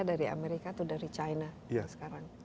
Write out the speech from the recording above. dari amerika atau dari china sekarang